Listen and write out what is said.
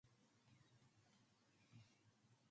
He instead emphasizes that life is always preferable to death.